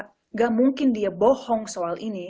tidak mungkin dia bohong soal ini